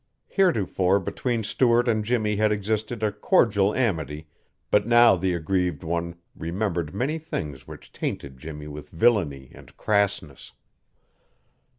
Heretofore between Stuart and Jimmy had existed a cordial amity, but now the aggrieved one remembered many things which tainted Jimmy with villainy and crassness.